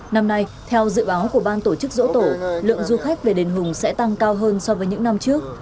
năm nay theo dự báo của ban tổ chức dỗ tổ lượng du khách về đền hùng sẽ tăng cao hơn so với những năm trước